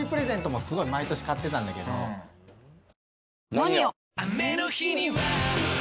「ＮＯＮＩＯ」！